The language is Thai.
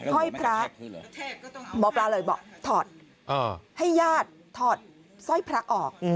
ห้อยพระหมอปลาเลยบอกถอดให้ญาติถอดสร้อยพระออก